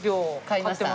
買いました。